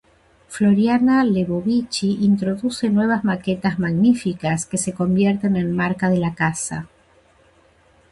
Floriana Lebovici introduce nuevas maquetas magníficas que se convierten en marca de la casa.